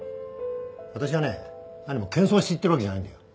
私はね何も謙遜して言ってるわけじゃないんだよ。